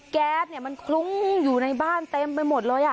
แก๊สมันคลุ้งอยู่ในบ้านเต็มไปหมดเลย